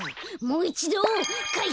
もういちど。